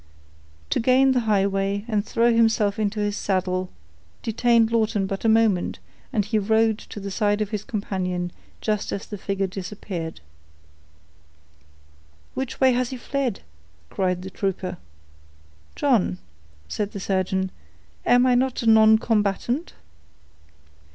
To gain the highway, and throw himself into his saddle, detained Lawton but a moment, and he rode to the side of his comrade just as the figure disappeared. "Which way has he fled?" cried the trooper. "John," said the surgeon, "am I not a noncombatant?"